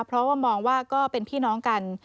เพราะว่ามองว่าก็เป็นพี่น้องกัน